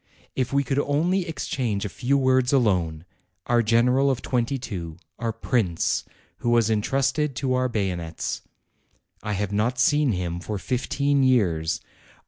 If we could only exchange a few words alone! Our general of twenty two; our prince, who was intrusted to our bayonets ! I have not seen him for fifteen years.